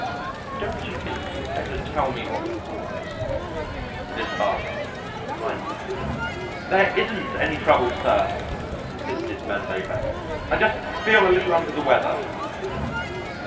"Don't you think you had better tell me what the trouble is?" said his father, kindly. "There isn't any trouble, sir," insisted Vandover. "I just feel a little under the weather."